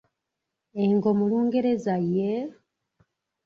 Engo mu Lungereza ye?